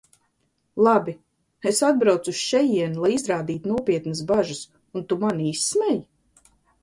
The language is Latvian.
Labi, es atbraucu uz šejieni, lai izrādītu nopietnas bažas, un tu mani izsmej?